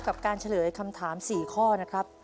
กับการเฉลยคำถาม๔ข้อนะครับ